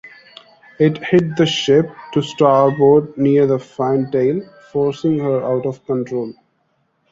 It hit the ship to starboard near the fantail, forcing her out of control.